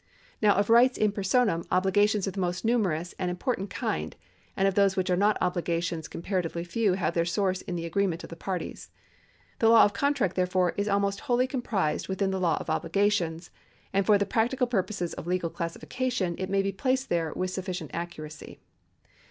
Now of rights \n 'personayn obhgations are the most numerous and im portant kind, and of those which are not obhgations compara tively few have their source in the agreement of the parties. The law of contract, therefore, is almost wholly comprised within the law of obligations, and for the practical purposes of legal classification it may be placed there with sufficient accuracy.